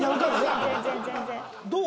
どう？